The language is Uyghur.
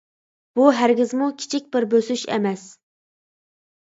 بۇ ھەرگىزمۇ كىچىك بىر بۆسۈش ئەمەس!